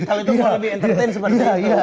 kali itu mau lebih entertain sebenarnya